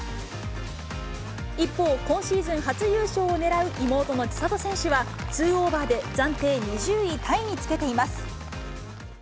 一方、今シーズン初優勝を狙う妹の千怜選手は、２オーバーで暫定２０位タイにつけています。